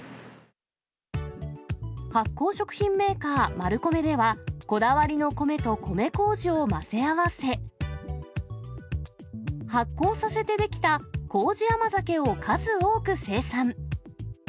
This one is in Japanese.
発酵食品メーカー、マルコメでは、こだわりの米と米こうじを混ぜ合わせ、発酵させて出来たこうじ甘酒を数多く生産。